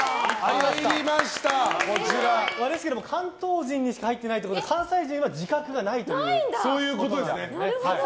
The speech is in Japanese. ですけれども関東人にしか入ってないということは関西人は自覚がないという。